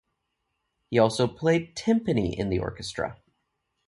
He also played timpani in orchestra.